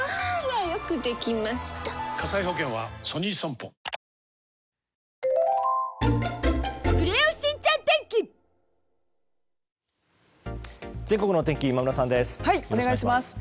「プレコール」全国のお天気今村さんです。